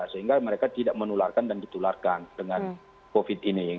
sehingga mereka tidak menularkan dan ditularkan dengan covid ini